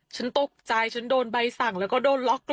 ฉันตกใจฉันโดนใบสั่งแล้วก็โดนล็อก